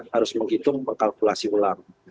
mereka harus menghitung kalkulasi ulang